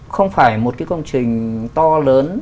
không phải một cái công trình to lớn